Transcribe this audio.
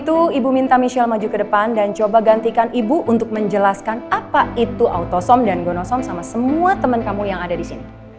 itu ibu minta michelle maju ke depan dan coba gantikan ibu untuk menjelaskan apa itu autosom dan gonosom sama semua teman kamu yang ada di sini